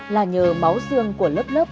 là nhờ máu xương của lớp lớp